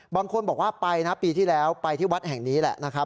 บางคนบอกว่าไปนะปีที่แล้วไปที่วัดแห่งนี้แหละนะครับ